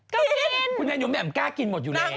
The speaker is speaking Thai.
ก็กินคุณไอหนูแหม่มกล้ากินหมดอยู่แล้ว